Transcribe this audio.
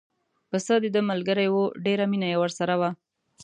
پسه دده ملګری و ډېره مینه یې ورسره وه.